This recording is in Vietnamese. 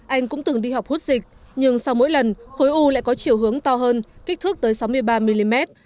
anh cũng từng đi học hút dịch nhưng sau mỗi lần khối u lại có chiều hướng to hơn kích thước tới sáu mươi ba mm